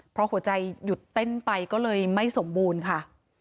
เพราะหัวใจหยุดเต้นไปก็เลยไม่สมบูรณ์ค่ะ